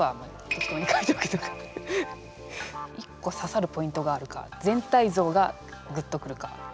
１こささるポイントがあるか全体像がグッと来るか。